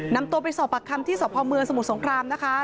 นำตัวไปสอบปากคำที่สพเมืองสมุทรสงครามนะคะ